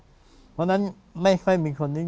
เพราะฉะนั้นไม่ค่อยมีคนนี้